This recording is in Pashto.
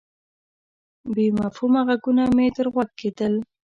بې مفهومه ږغونه مې تر غوږ کېدل.